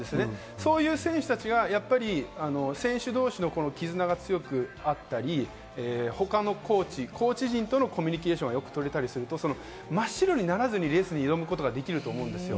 そういう選手たちが選手同士のきずなが強くあったり、コーチ陣とのコミュニケーションが取れたりすると真っ白にならずに、レースに挑むことができると思うんですよ。